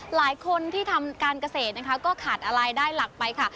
หลายคนที่ทำการเกษตรนะคะก็ขาดรายได้หลักไปค่ะ